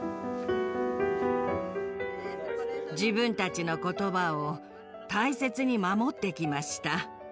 自分たちの言葉を大切に守ってきました。